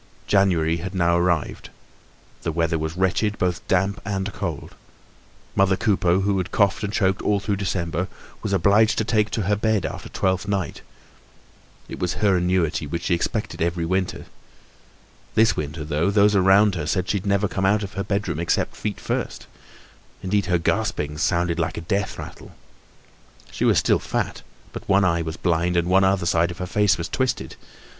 January had now arrived; the weather was wretched, both damp and cold. Mother Coupeau, who had coughed and choked all through December, was obliged to take to her bed after Twelfth night. It was her annuity, which she expected every winter. This winter though, those around her said she'd never come out of her bedroom except feet first. Indeed, her gaspings sounded like a death rattle. She was still fat, but one eye was blind and one side of her face was twisted.